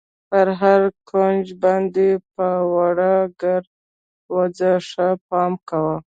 پر هر کونج باندې په ورو ګر وځه، ښه پام کوه.